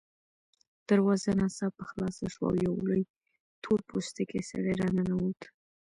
دروازه ناڅاپه خلاصه شوه او یو لوی تور پوستکی سړی راننوت